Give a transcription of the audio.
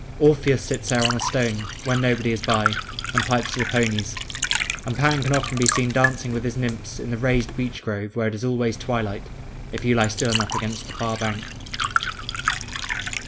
Orpheus sits there on a stone, when nobody is by, and pipes to the ponies; and Pan can often be seen dancing with his nymphs in the raised beech grove where it is always twilight, if you lie still enough against the far bank.